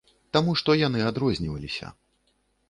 Таму што яны адрозніваліся.